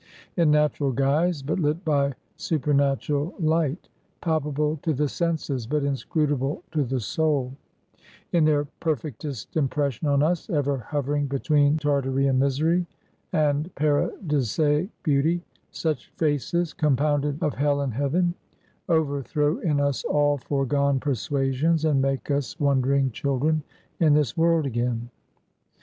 In natural guise, but lit by supernatural light; palpable to the senses, but inscrutable to the soul; in their perfectest impression on us, ever hovering between Tartarean misery and Paradisaic beauty; such faces, compounded so of hell and heaven, overthrow in us all foregone persuasions, and make us wondering children in this world again.